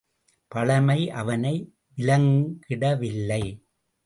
பழமை அவனை விலங்கிடவில்லை.